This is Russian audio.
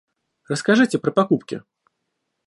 Расскажите про покупки.